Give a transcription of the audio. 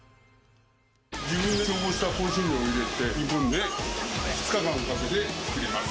自分で調合した香辛料を入れて、煮込んで、２日間かけて作ります。